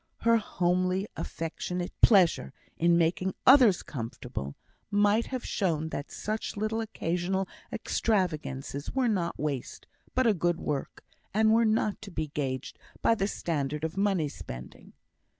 Her homely, affectionate pleasure in making others comfortable, might have shown that such little occasional extravagances were not waste, but a good work; and were not to be gauged by the standard of money spending.